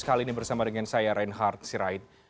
kali ini bersama dengan saya reinhard sirait